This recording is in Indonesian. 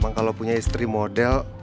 memang kalau punya istri model